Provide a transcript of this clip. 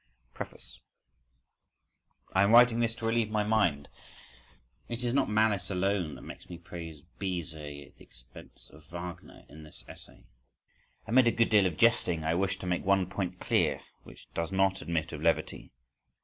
…" Preface I am writing this to relieve my mind. It is not malice alone which makes me praise Bizet at the expense of Wagner in this essay. Amid a good deal of jesting I wish to make one point clear which does not admit of levity.